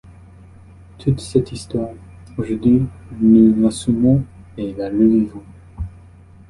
Toute cette histoire, aujourd'hui nous l'assumons et la revivons.